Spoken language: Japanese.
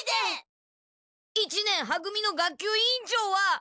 一年は組の学級委員長は！